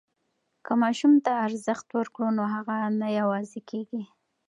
که ماسوم ته ارزښت ورکړو نو هغه نه یوازې کېږي.